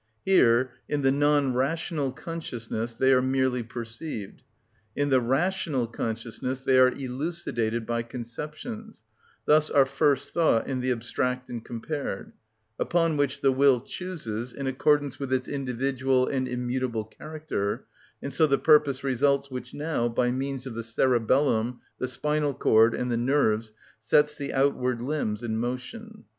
Here, in the non rational consciousness, they are merely perceived; in the rational consciousness they are elucidated by conceptions, thus are first thought in the abstract and compared; upon which the will chooses, in accordance with its individual and immutable character, and so the purpose results which now, by means of the cerebellum, the spinal cord, and the nerves, sets the outward limbs in motion.